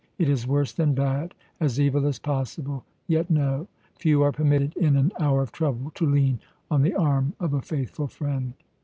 It is worse than bad as evil as possible. Yet no. Few are permitted, in an hour of trouble, to lean on the arm of a faithful friend."